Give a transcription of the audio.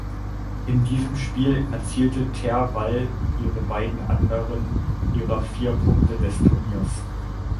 In diesem Spiel erzielte ter Wal ihre beiden anderen ihrer vier Punkte des Turniers.